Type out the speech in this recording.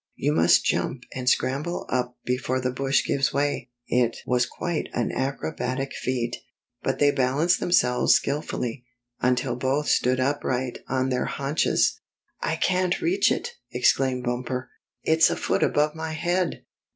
"You must jump and scramble up before the bush gives way." It was quite an acrobatic feat, but they bal anced themselves skilfully until both stood up right on their haunches. " I can't reach it !" ex claimed Bumper. " It's a foot above my head!